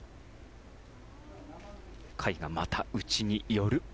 甲斐がまた内に寄る。